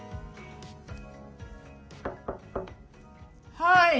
・はい。